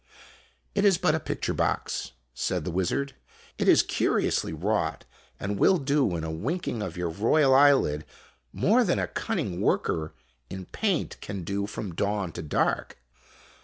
'" It is but a picture box," said the wizard. " It is curiously wrought, and will do in a winking of your royal eyelid more than a cunning worker in paint can do from dawn to dark."